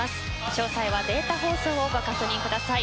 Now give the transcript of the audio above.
詳細はデータ放送をご確認ください。